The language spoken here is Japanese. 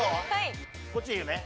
こっちでいいよね？